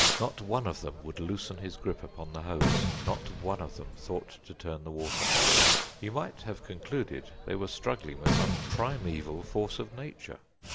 Not one of them would loosen his grip upon the hose, not one of them thought to turn the water off. You might have concluded they were struggling with some primeval force of nature.